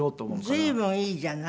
随分いいじゃない？